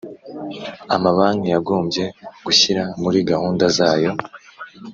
Amabanki yagombye gushyira muri gahunda zayo